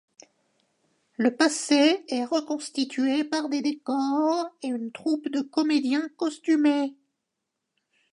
Le passé est reconstitué par des décors et une troupe de comédiens costumés.